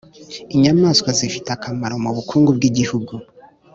inyamanswa zifite akamaro mu bukungu bw’igihugu.